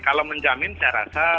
kalau menjamin saya rasa